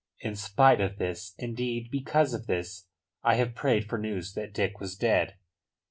In spite of this indeed, because of this, I have prayed for news that Dick was dead."